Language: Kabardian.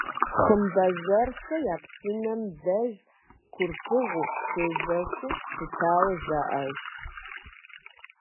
«Хъымбэзэрхэ я псынэм» деж Курпыгъу щежэхыу щытауэ жаӏэж.